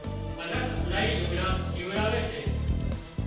منک الاهي لگھڙان شيوڙاوي سي